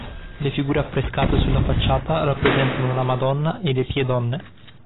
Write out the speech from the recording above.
Le figure affrescate sulla facciata rappresentano la "Madonna" e le "Pie Donne".